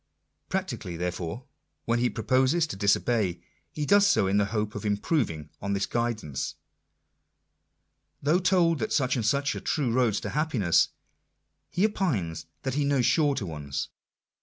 Practically, therefore, when he proposes to disobey, he does so in the hope of improving on this guidance ! Though told that such and such are the true roads to happiness, he opines that he knows shorter ones